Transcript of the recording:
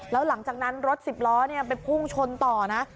แล้วหลังจากนั้นรถสิบล้อไปพุ่งชนต่อนะ